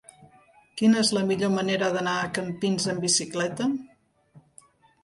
Quina és la millor manera d'anar a Campins amb bicicleta?